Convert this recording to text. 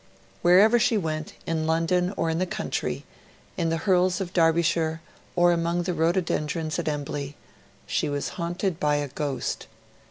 Wherever she went, in London or in the country, in the hills of Derbyshire, or among the rhododendrons at Embley, she was haunted by a ghost.